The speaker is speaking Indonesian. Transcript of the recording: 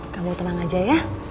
kamu tenang aja ya